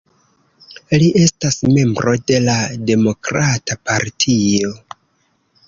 Li estas membro de la Demokrata Partio.